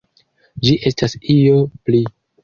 Ĝi estas io pli.